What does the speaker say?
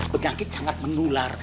penyakit sangat menular